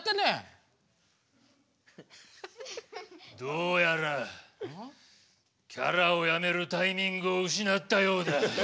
どうやらキャラをやめるタイミングを失ったようだ。